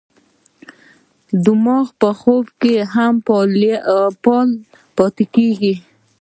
دماغ په خوب کې هم فعال پاتې کېږي.